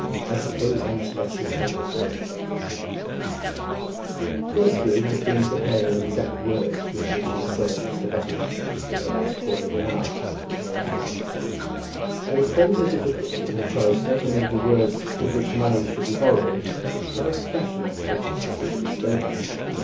"I SUPPOSE I MUST LET YOU HAVE IT." Crosbie had been preparing the exact words with which he assailed Mr. Butterwell for the last quarter of an hour, before they were uttered. There is always a difficulty in the choice, not only of the words with which money should be borrowed, but of the fashion after which they should be spoken.